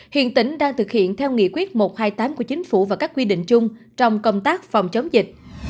hiện tỉnh đang thực hiện theo nghị quyết một trăm hai mươi tám của chính phủ và các quy định chung trong công tác phòng chống dịch